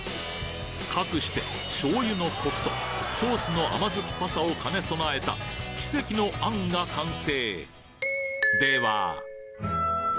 かくして醤油のコクとソースの甘酸っぱさを兼ね備えた奇跡の餡が完成！